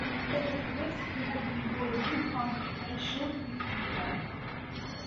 Further to this, he had been awarded Good Conduct pay shortly before the battle.